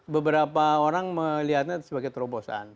beberapa orang melihatnya sebagai terobosan